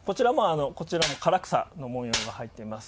こちらも唐草の模様が入っています。